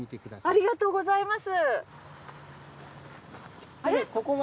ありがとうございます。